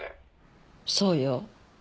そうよ。